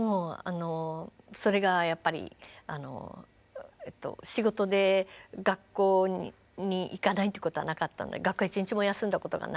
それがやっぱり仕事で学校に行かないということはなかったので学校は一日も休んだことがないので。